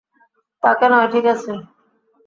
তাকে নয়, ঠিক আছে?